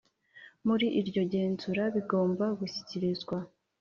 Muri iryo genzura bigomba gushyikirizwa